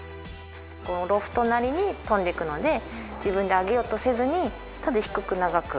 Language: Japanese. ロフトなりに飛んでいくので自分で上げようとせずに低く長く。